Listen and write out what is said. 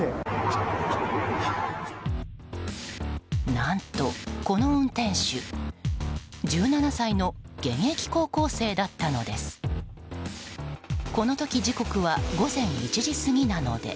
何と、この運転手１７歳の現役高校生だったのです。